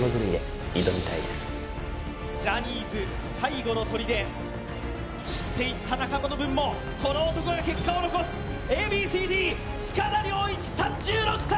ジャニーズ最後のとりで散っていった仲間の分もこの男が結果を残す、Ａ．Ｂ．Ｃ−Ｚ、塚田僚一３６歳。